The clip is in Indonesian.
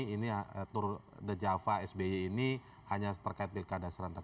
ini atur the java sby ini hanya terkait pilkada serantak